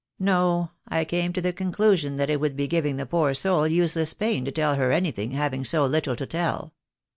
"No, I came to the conclusion that it would be giving the poor soul useless pain to tell her anything, having so little to tell.